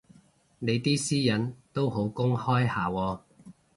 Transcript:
你啲私隱都好公開下喎